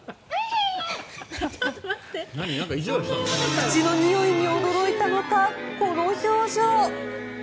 口のにおいに驚いたのかこの表情。